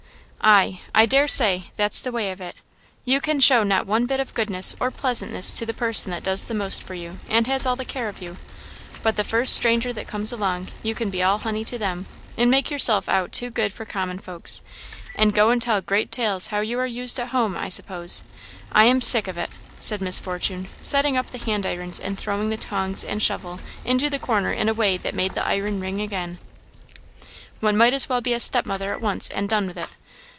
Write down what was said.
"Ay I daresay that's the way of it. You can show not one bit of goodness or pleasantness to the person that does the most for you, and has all the care of you but the first stranger that comes along, you can be all honey to them, and make yourself out too good for common folks, and go and tell great tales how you are used at home, I suppose. I am sick of it!" said Miss Fortune, setting up the hand irons and throwing the tongs and shovel into the corner in a way that made the iron ring again. "One might as good be a step mother at once, and done with it!